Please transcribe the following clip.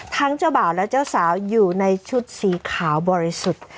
เจ้าบ่าวและเจ้าสาวอยู่ในชุดสีขาวบริสุทธิ์